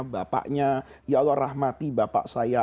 bapaknya ya allah rahmati bapak saya